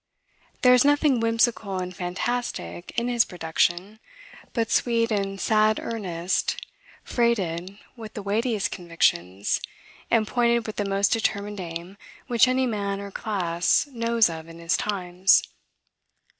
There is nothing whimsical and fantastic in his production, but sweet and sad earnest, freighted with the weightiest convictions, and pointed with the most determined aim which any man or class knows of in his times.